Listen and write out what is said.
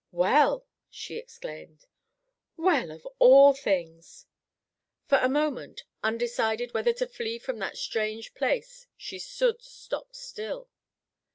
"Well!" she exclaimed. "Well, of all things!" For a moment, undecided whether to flee from that strange place, she stood stock still.